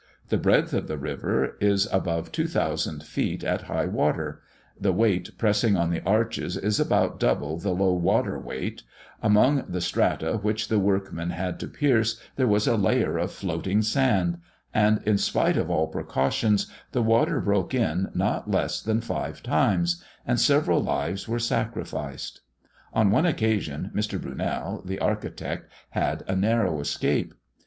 The breadth of the river is above two thousand feet at high water the weight pressing on the arches is about double the low water weight among the strata which the workmen had to pierce there was a layer of floating sand and, in spite of all precautions, the water broke in not less than five times, and several lives were sacrificed. On one occasion, Mr. Brunel, the architect, had a narrow escape.